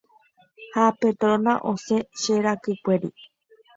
ha Petrona osẽ che rakykuéri.